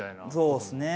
そうですね。